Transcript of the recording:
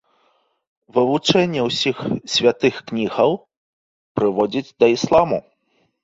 Вывучэнне ўсіх святых кніг прыводзіць да ісламу.